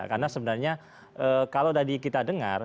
karena sebenarnya kalau tadi kita dengar